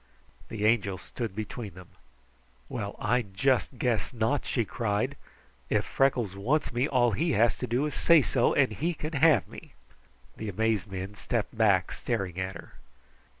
The Angel stood between them. "Well, I just guess not!" she cried. "If Freckles wants me, all he has to do is to say so, and he can have me!" The amazed men stepped back, staring at her.